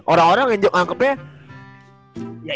orang orang yang nganggepnya